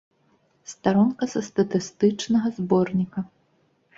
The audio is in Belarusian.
Старонка са статыстычнага зборніка.